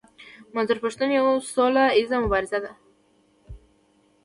منظور پښتين يو سوله ايز مبارز دی.